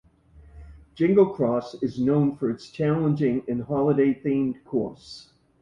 Jingle Cross is known for its challenging and holiday themed course.